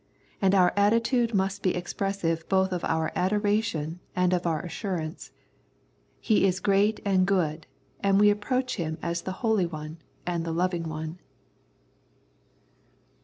17), and oui attitude must be expressive both of our adoration and of our assurance. He is great and good, and we approach Him as the Holy One and the Loving One.